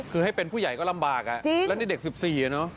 คือให้เป็นผู้ใหญ่ก็ลำบากอ่ะจริงแล้วนี่เด็ก๑๔อ่ะเนอะ